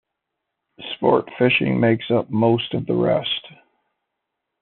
Sport fishing makes up most of the rest.